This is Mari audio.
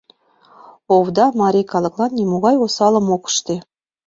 Овда марий калыклан нимогай осалым ок ыште.